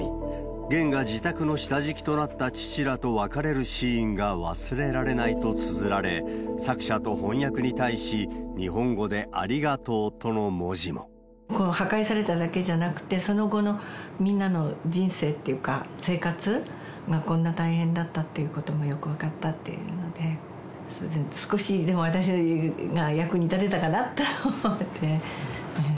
ゲンが自宅の下敷きとなった父らと別れるシーンが忘れられないとつづられ、作者と翻訳に対し、日本語で、破壊されただけじゃなくて、その後のみんなの人生っていうか、生活がこんな大変だったっていうこともよく分かったっていうので、少しでも私が役に立てたかなと思って。